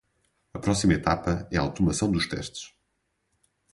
A próxima etapa é a automação dos testes.